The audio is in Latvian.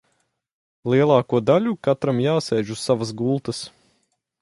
Lielāko daļu katram jāsēž uz savas gultas.